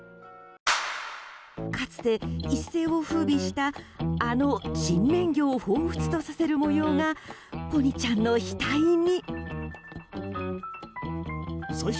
かつて一世を風靡したあの人面魚をほうふつとさせる模様がポニちゃんの額に。